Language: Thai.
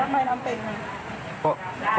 ไม่น้ำเป็น